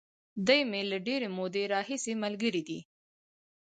دی مې له ډېرې مودې راهیسې ملګری دی.